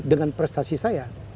dengan prestasi saya